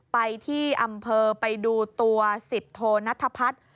ไปที่อำเภอไปดูตัว๑๐โทนัทพัฒน์